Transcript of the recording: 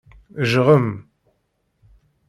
Jɣem.